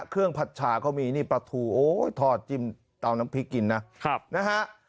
เครื่องผัดฉาก็มีนี่ปลาทูโอ้ทอดจิ้มเตาน้ำพริกกินนะครับนะฮะ